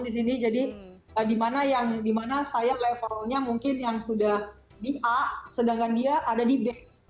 disini jadi dimana yang dimana saya levelnya mungkin yang sudah di a sedangkan dia ada di b